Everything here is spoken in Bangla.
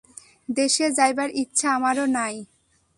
দেশে যাইবার ইচ্ছা আমারও নাই।